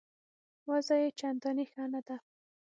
وضع یې چنداني ښه نه ده.